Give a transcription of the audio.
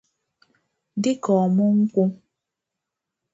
dịka ọmụ nkwụ